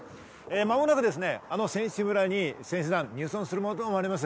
間もなく選手村に選手団が入村するものと思われます。